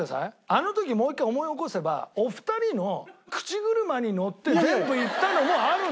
あの時もう一回思い起こせばお二人の口車にのって全部いったのもあるのよ